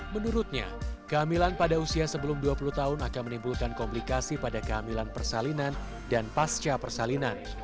menurutnya kehamilan pada usia sebelum dua puluh tahun akan menimbulkan komplikasi pada kehamilan persalinan dan pasca persalinan